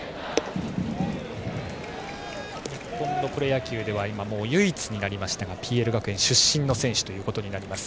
日本のプロ野球では唯一になりましたがＰＬ学園出身の現役選手ということになります。